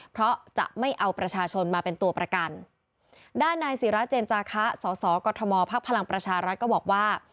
เพราะจะไม่เอาประชาชนมาเป็นตัวประกันด้านนายศิราเจนจาคะสอสอกรทมพักพลังประชารัฐก็บอกว่า